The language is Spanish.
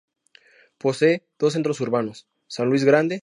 Posee dos centros urbanos: San Luis Grande y Pampa de San Luis.